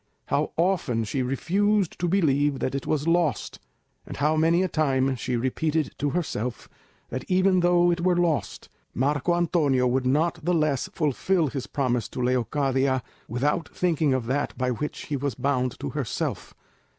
How often she refused to believe that it was lost! And how many a time she repeated to herself, that even though it were lost, Marco Antonio would not the less fulfil his promise to Leocadia, without thinking of that by which he was bound to herself!